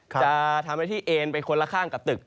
จะทำหน้าที่เอ็นไปคนละข้างกับตึก